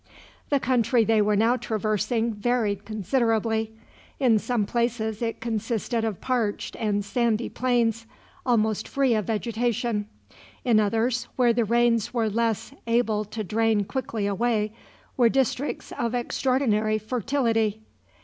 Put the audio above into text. The country they were now traversing varied considerably. In some places it consisted of parched and sandy plains, almost free of vegetation. In others, where the rains were less able to drain quickly away, were districts of extraordinary fertility.